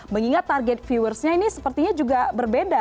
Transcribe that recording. mengingat target viewersnya ini sepertinya juga berbeda